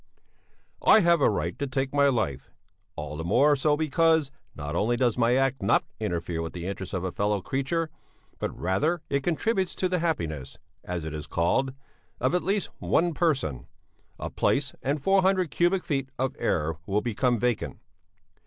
"'I have a right to take my life, all the more so because not only does my act not interfere with the interests of a fellow creature, but rather it contributes to the happiness, as it is called, of at least one person; a place and four hundred cubic feet of air will become vacant.